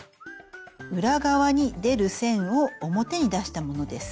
裏側に出る線を表に出したものです。